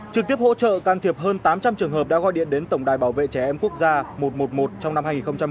trực tiếp hỗ trợ can thiệp hơn tám trăm linh trường hợp đã gọi điện đến tổng đài bảo vệ trẻ em quốc gia một trăm một mươi một trong năm hai nghìn một mươi chín